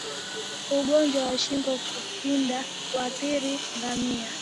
Ugonjwa wa shingo kupinda huathiri ngamia